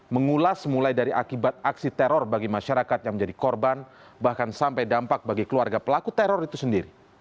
mengulas mulai dari akibat aksi teror bagi masyarakat yang menjadi korban bahkan sampai dampak bagi keluarga pelaku teror itu sendiri